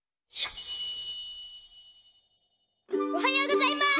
おはようございます！